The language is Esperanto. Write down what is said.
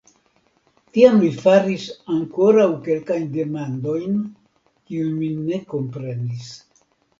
Tiam li faris ankoraŭ kelkajn demandojn, kiujn mi ne komprenis.